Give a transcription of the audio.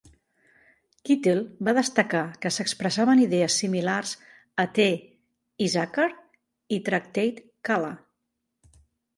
Kitlle va destacar que s"expressaven idees similars a T. Issachar i Tractate Kalla.